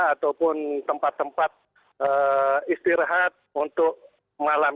ataupun tempat tempat istirahat untuk malam